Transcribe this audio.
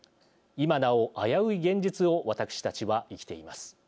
今なお危うい現実を私たちは生きています。